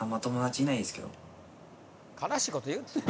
悲しいこと言うな。